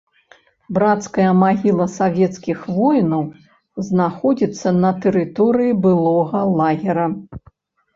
Брацкая магіла савецкіх воінаў знаходзіцца на тэрыторыі былога лагера.